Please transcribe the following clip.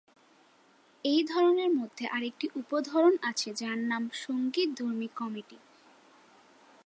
এই ধরনের মধ্যে আরেকটি উপ-ধরন আছে যার নাম সঙ্গীতধর্মী কমেডি।